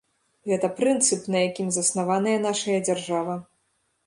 Гэта прынцып, на якім заснаваная нашая дзяржава.